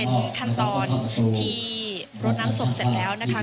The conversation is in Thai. เป็นขั้นตอนที่รดน้ำศพเสร็จแล้วนะคะ